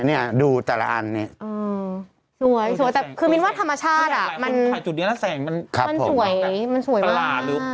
สวยสวยแต่คือมิ้นวาดธรรมชาติถ่ายจุดเดียวแล้วแสงมันสวยมันสวยมาก